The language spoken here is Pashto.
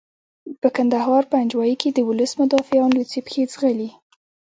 په کندهار پنجوايي کې د ولس مدافعان لوڅې پښې ځغلي.